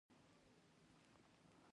میرمن دې تیاره کړه چې یو ځای ولاړ شئ.